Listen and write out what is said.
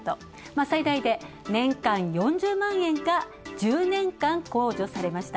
最大で年間４０万円が１０年間控除されました。